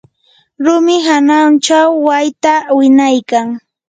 rumi hananchaw wayta winaykan.